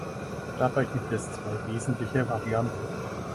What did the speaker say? Dabei gibt es zwei wesentliche Varianten.